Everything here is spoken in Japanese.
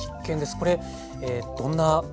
これどんな料理ですか？